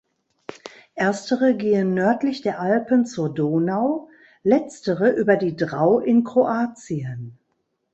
Erstere gehen nördlich der Alpen zur Donau, letztere über die Drau in Kroatien.